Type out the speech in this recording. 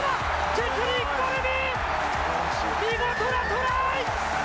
チェスリン・コルビ、見事なトライ！